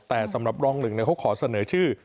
แต่สำหรับรองหนึ่งเขาขอเสนอชื่อ